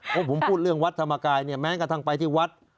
เพราะผมพูดเรื่องวัดธรรมกายเนี่ยแม้กระทั่งไปที่วัด